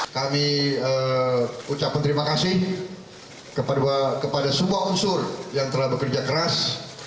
kami ucapkan terima kasih kepada semua unsur yang telah bekerja keras